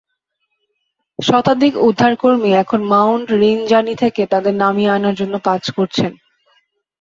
শতাধিক উদ্ধারকর্মী এখন Mount Rinjani থেকে তাদের নামিয়ে আনার জন্য কাজ করছেন।